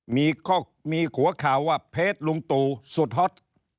มีหัวข่าวว่าเพจลุงตู่สุดฮอต